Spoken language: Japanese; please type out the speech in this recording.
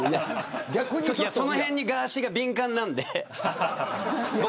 そのへんにガーシーが敏感なんで。